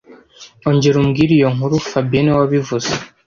Ongera umbwire iyo nkuru fabien niwe wabivuze